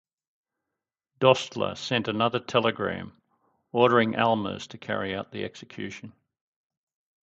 Dostler sent another telegram ordering Almers to carry out the execution.